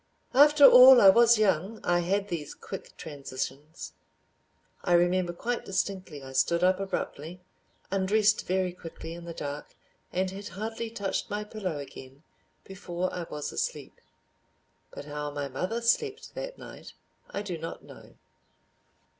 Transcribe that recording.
After all, I was young; I had these quick transitions. I remember quite distinctly, I stood up abruptly, undressed very quickly in the dark, and had hardly touched my pillow again before I was asleep. But how my mother slept that night I do not know.